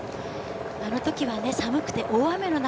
あのときは寒くて大雨の中。